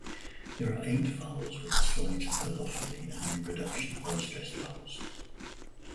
There are eight vowels with a slight allophony and reduction of unstressed vowels.